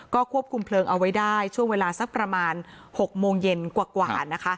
ก็ควบคุมเพลิงเอาไว้ได้ช่วงเวลาสักประมาณ๖โมงเย็นกว่านะคะ